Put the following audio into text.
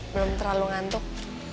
belum terlalu ngantuk